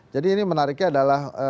jadi ini menariknya adalah